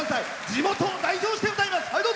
地元を代表して歌います。